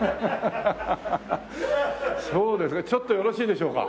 そうですねちょっとよろしいでしょうか？